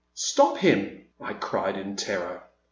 Stop him !" I cried, in terror.